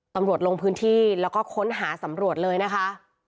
ลงพื้นที่แล้วก็ค้นหาสำรวจเลยนะคะ